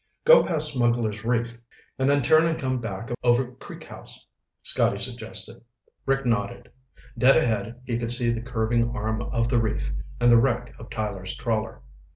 "Go past Smugglers' Reef and then turn and come back over Creek House," Scotty suggested. Rick nodded. Dead ahead he could see the curving arm of the reef and the wreck of Tyler's trawler.